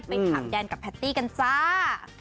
ไปถามแดนกับแพตตี้กันจ้า